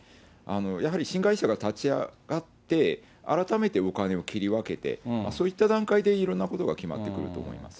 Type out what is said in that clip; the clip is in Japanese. やはり新会社が立ち上がって、改めてお金を切り分けて、そういった段階でいろんなことが決まってくると思います。